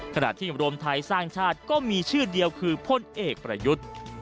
ขณะที่รวมไทยสร้างชาติก็มีชื่อเดียวคือพลเอกประยุทธ์